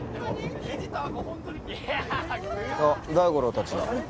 あっ大五郎たちだ。